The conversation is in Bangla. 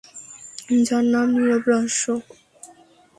যার নাম নীরব রহস্য।